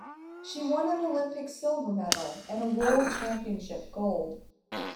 She won an Olympic silver medal and a World Championship gold.